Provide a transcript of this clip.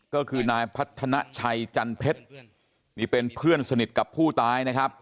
ก็คือนายพัฒนาชัยจันเพชรนี่เป็นเพื่อนสนิทกับผู้ตายนะครับ